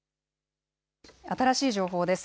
新しい情報です。